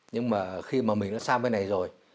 nhưng mà khi mà mình đã sang bên này rồi